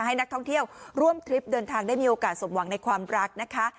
ให้นักท่องเที่ยวร่วมทริปเดินทางได้มีโอกาสสมหวังในความรักนะคะ